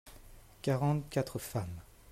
quarante quatre femmes.